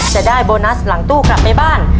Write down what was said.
จะได้โบนัสหลังตู้กลับไปบ้าน